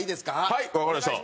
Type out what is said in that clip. はいわかりました。